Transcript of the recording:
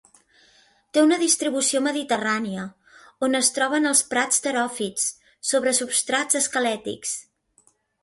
Té una distribució mediterrània, on es troba en els prats teròfits, sobre substrats esquelètics.